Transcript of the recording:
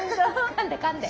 かんでかんで。